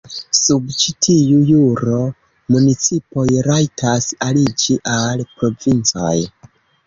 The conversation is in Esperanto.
Sub ĉi tiu juro, municipoj rajtas aliĝi al provincoj.